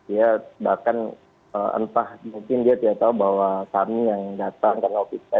ya bahkan entah mungkin dia tidak tahu bahwa kami yang datang karena kita